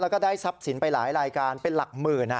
แล้วก็ได้ทรัพย์สินไปหลายรายการเป็นหลักหมื่น